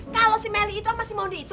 kalau si meli itu masih mau di itu